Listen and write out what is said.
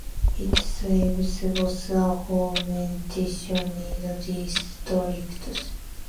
It serves both aforementioned districts.